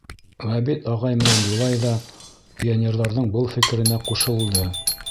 Ғәбит ағай менән Юлай ҙа пионерҙарҙың был фекеренә ҡушылды.